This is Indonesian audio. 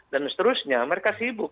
dan seterusnya mereka sibuk